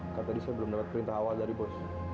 kan tadi saya belum dapat perintah awal jadi bos